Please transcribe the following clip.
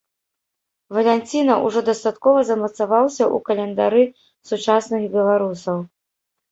Валянціна ўжо дастаткова замацаваўся ў календары сучасных беларусаў.